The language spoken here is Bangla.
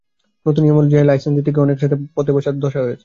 নতুন নিয়ম অনুযায়ী লাইসেন্স নিতে গিয়ে অনেকের পথে বসার দশা হয়েছে।